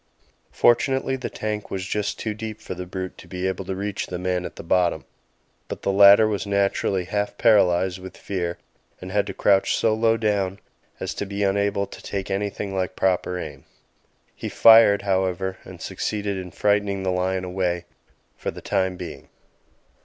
Fortunately the tank was just too deep for the brute to be able to reach the man at the bottom; but the latter was naturally half paralysed with fear and had to crouch so low down as to be unable to take anything like proper aim. He fired, however, and succeeded in frightening the lion away for the time being.